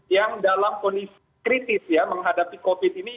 yang dalam kondisi kritis ya menghadapi covid ini